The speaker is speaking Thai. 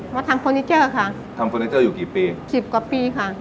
มาทำเฟอร์นิเจอร์ค่ะทำเฟอร์นิเจอร์อยู่กี่ปีสิบกว่าปีค่ะ